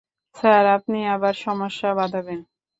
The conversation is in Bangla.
স্যার, আপনি আবার সমস্যা বাঁধাবেন!